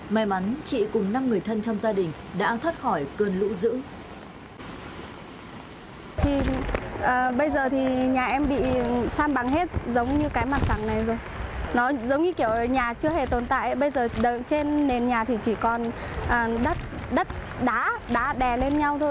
may mắn chị cùng năm người thân trong gia đình đã thoát khỏi cơn lũ dữ